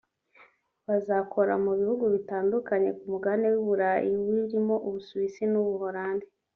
bazakora mu bihugu bitandukanye ku Mugabane w’i Burayi birimo u Busuwisi n’u Buholandi